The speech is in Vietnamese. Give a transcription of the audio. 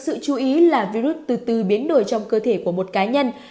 sự chú ý là virus từ biến đổi trong cơ thể của một cá nhân